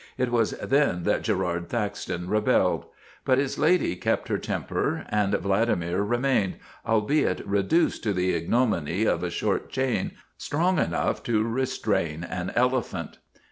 It was then that Girard Thaxton rebelled. But his lady kept her temper and Vladimir remained, albeit reduced to the ignominy of a short chain strong enough to restrain an elephant.